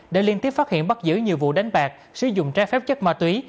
để liên tiếp phát hiện bắt giữ nhiều vụ đánh bạc sử dụng trái phép chất ma túy